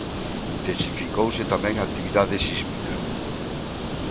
Intensificouse tamén a actividade sísmica.